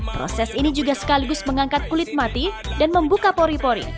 proses ini juga sekaligus mengangkat kulit mati dan membuka pori pori